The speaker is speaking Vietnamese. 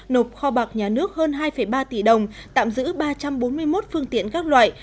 nộp kho bạc nhà nước hơn hai ba tỷ đồng tạm giữ ba trăm bốn mươi một phương tiện các loại